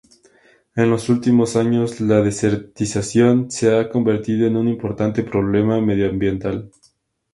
En los últimos años, la desertización se ha convertido en un importante problema medioambiental.